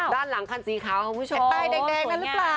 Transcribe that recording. ด้านหลังคันสีขาวของผู้ชม